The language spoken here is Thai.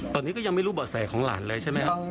ตอนนี้ก็ยังไม่รู้บ่อแสของหลานเลยใช่ไหมครับ